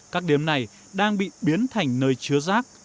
các điếm này đang bị biến thành nơi chứa rác